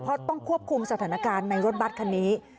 เพราะต้องควบคุมสถานการณ์ในรถบัตรคันนี้